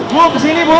mau kesini bu